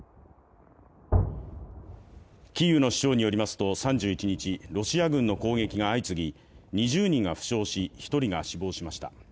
キーウの市長によりますと３１日、ロシア軍の攻撃が相次ぎ２０人が負傷し、１人が死亡しました。